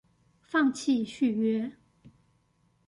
放棄續約